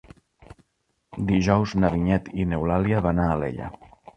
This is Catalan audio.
Dijous na Vinyet i n'Eulàlia van a Alella.